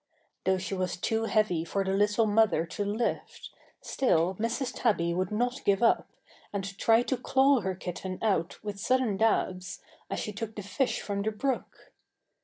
Though she was too heavy for the little mother to lift, still Mrs. Tabby would not give up, and tried to claw her kitten out with sudden dabs, as she took the fish from the brook.